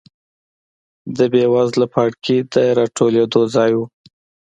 د بېوزله پاړکي د راټولېدو ځای و.